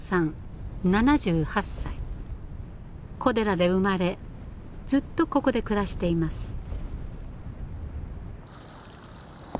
古寺で生まれずっとここで暮らしています。